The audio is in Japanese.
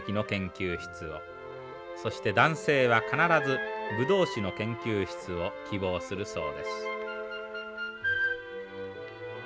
そして男性は必ずブドウ酒の研究室を希望するそうです。